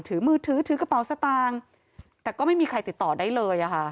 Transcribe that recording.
ถือมือถือถือกระเป๋าสตางค์แต่ก็ไม่มีใครติดต่อได้เลยอะค่ะ